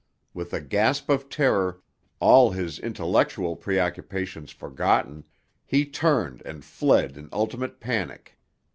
With a gasp of terror, all his intellectual preoccupations forgotten, he turned and fled in ultimate panic.